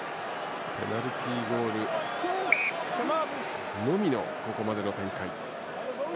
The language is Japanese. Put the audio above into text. ペナルティーゴールのみのここまでの展開。